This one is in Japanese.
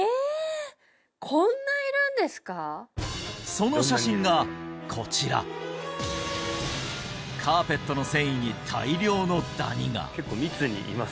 その写真がこちらカーペットの繊維に大量のダニが！